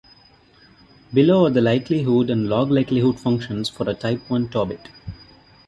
Below are the likelihood and log likelihood functions for a type one Tobit.